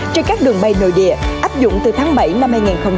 trên các đường bay nội địa áp dụng từ tháng bảy năm hai nghìn hai mươi